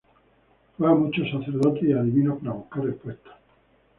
Fue a muchos sacerdotes y adivinos para buscar respuestas.